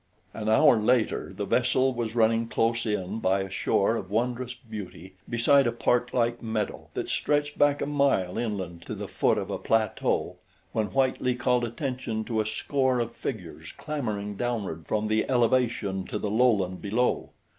An hour later the vessel was running close in by a shore of wondrous beauty beside a parklike meadow that stretched back a mile inland to the foot of a plateau when Whitely called attention to a score of figures clambering downward from the elevation to the lowland below.